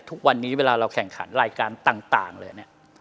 ทุกวันนี้เวลาเราแข่งขันรายการต่างเลยเนี่ย